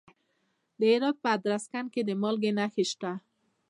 د هرات په ادرسکن کې د مالګې نښې شته.